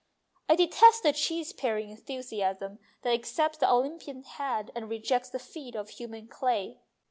I detest the cheese paring enthusiasm that accepts the Olympian head and rejects the feet of human clay.